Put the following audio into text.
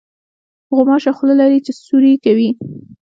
غوماشه خوله لري چې سوري کوي.